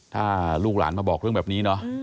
ถ้าลูกหลานมาบอกเรื่องแบบนี้เนาะ